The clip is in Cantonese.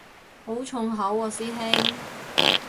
好重口喎師兄